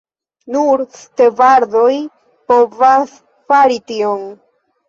Nur stevardoj povas fari tion.